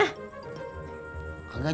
gak jadi be